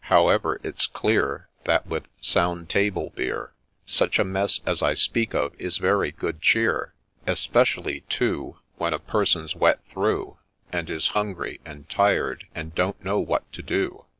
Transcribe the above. However, it 's clear That, with sound table beer, Such a mess as I speak of is very good cheer ; Especially too When a person 's wet through, And is hungry, and tired, and don't know what to do.